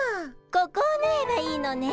ここをぬえばいいのね？